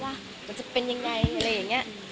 มันจะเป็นยังไงอะไรอย่างนี้